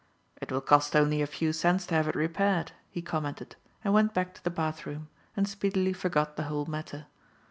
"It will cost only a few cents to have it repaired," he commented, and went back to the bathroom, and speedily forgot the whole matter.